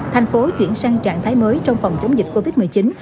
thành phố chuyển sang trạng thái mới trong phòng chống dịch covid một mươi chín